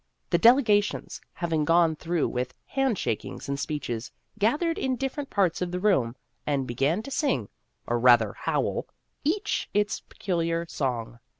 The delegations, having gone through with hand shakings and speeches, gathered in different parts of the room, and began to sing, or rather howl, each Danger ! 247 its peculiar song.